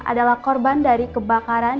adalah korban dari kebakaran